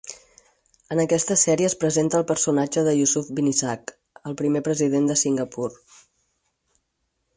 En aquesta sèrie es presenta el personatge de Yusof bin Ishak, el primer president de Singapur.